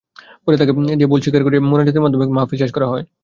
পরে তাঁকে দিয়ে ভুল স্বীকার করিয়ে মোনাজাতের মাধ্যমে মাহফিল শেষ করা হয়।